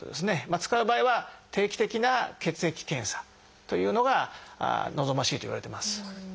使う場合は定期的な血液検査というのが望ましいといわれてます。